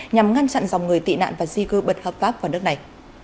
bằng ngăn chặn dòng người tị nạn và di cư bật hợp pháp vào đất này